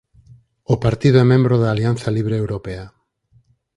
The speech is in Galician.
O partido é membro da Alianza Libre Europea.